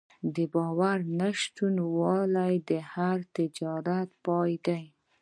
د باور نشتوالی د هر تجارت پای ده.